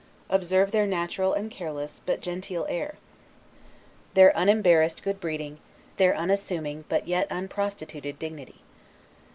Observe their natural and careless, but genteel air; their unembarrassed good breeding; their unassuming, but yet unprostituted dignity.